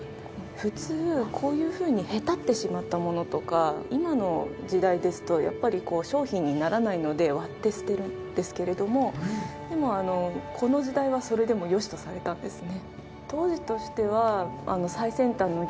普通こういうふうにへたってしまったものとか今の時代ですとやっぱり商品にならないので割って捨てるんですけれどもでもこの時代はそれでもよしとされたんですね。